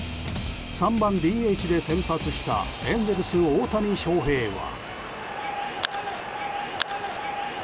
３番ＤＨで先発したエンゼルス、大谷翔平は。